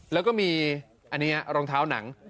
แล้วก็มีอันนี้รองเท้าหนัง